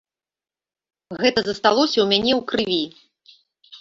Гэта засталося ў мяне ў крыві.